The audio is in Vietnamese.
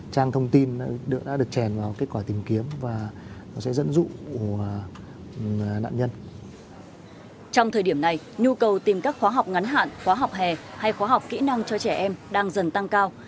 trong thời điểm này nhu cầu tìm các khóa học ngắn hạn khóa học hè hay khóa học kỹ năng cho trẻ em đang dần tăng cao